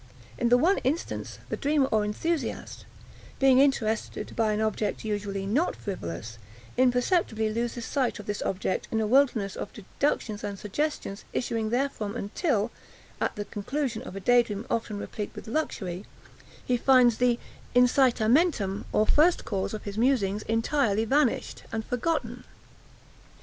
In the one instance, the dreamer, or enthusiast, being interested by an object usually not frivolous, imperceptibly loses sight of this object in a wilderness of deductions and suggestions issuing therefrom, until, at the conclusion of a day dream often replete with luxury, he finds the incitamentum, or first cause of his musings, entirely vanished and forgotten.